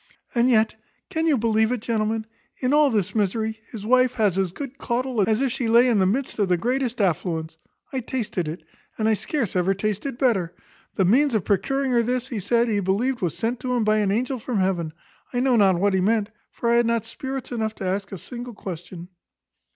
And yet, can you believe it, gentlemen? in all this misery his wife has as good caudle as if she lay in the midst of the greatest affluence; I tasted it, and I scarce ever tasted better. The means of procuring her this, he said, he believed was sent him by an angel from heaven. I know not what he meant; for I had not spirits enough to ask a single question.